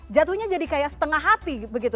jatuhnya jadi kayak setengah hati begitu